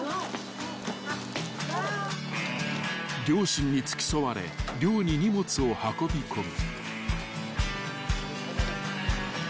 ［両親に付き添われ寮に荷物を運び込む］